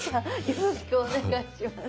よろしくお願いします。